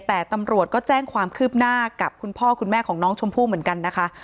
แต่ตำรวจก็แจ้งความคืบหน้ากับคุณพ่อคุณแม่ของน้องชมพู่เหมือนกันนะคะ